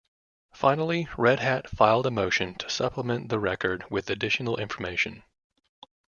Finally, Red Hat filed a motion to supplement the record with additional information.